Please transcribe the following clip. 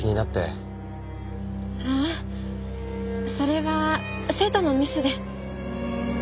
ああそれは生徒のミスで。